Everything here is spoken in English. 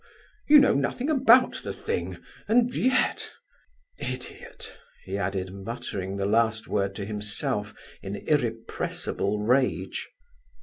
You know nothing about the thing, and yet—idiot!" he added, muttering the last word to himself in irrepressible rage.